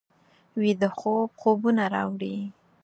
ویده خوب خوبونه راوړي